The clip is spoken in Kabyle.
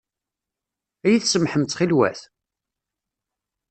Ad iyi-tsamḥem ttxil-wet?